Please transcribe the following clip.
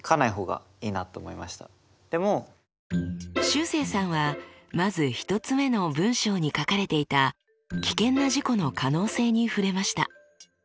しゅうせいさんはまず１つ目の文章に書かれていた危険な事故の可能性に触れました。